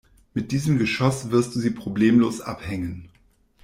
Mit diesem Geschoss wirst du sie problemlos abhängen.